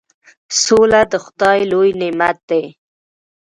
سوله د خدای لوی نعمت دی.